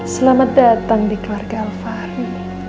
selamat datang di keluarga alfahri